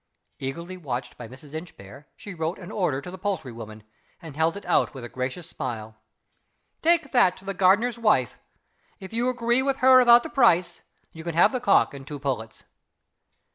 Eagerly watched by Mrs. Inchbare, she wrote an order to the poultry woman, and held it out with a gracious smile. "Take that to the gardener's wife. If you agree with her about the price, you can have the cock and the two pullets."